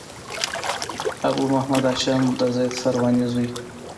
ابو محمد هاشم د زيد سرواني زوی.